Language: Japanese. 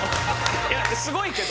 いやすごいけど。